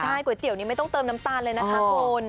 ใช่ก๋วยเตี๋ยวนี้ไม่ต้องเติมน้ำตาลเลยนะคะคุณ